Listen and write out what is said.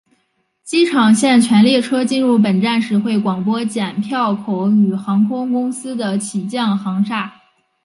机场线全列车进入本站时会广播剪票口与航空公司的起降航厦。